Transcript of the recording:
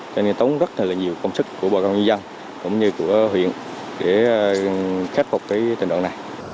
cho nên tốn rất là nhiều công sức của bà con nhân dân cũng như của huyện để khắc phục cái tình đoạn này